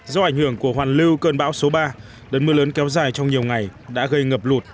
do ảnh hưởng của hoàn lưu cơn bão số ba đợt mưa lớn kéo dài trong nhiều ngày đã gây ngập lụt